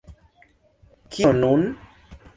Kio nun?